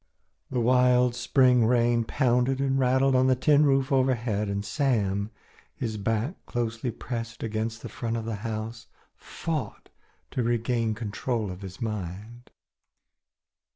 The wild spring rain pounded and rattled on the tin roof overhead, and Sam, his back closely pressed against the front of the house, fought to regain control of his mind.